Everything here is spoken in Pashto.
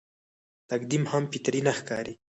تقدم هم فطري نه ښکاري.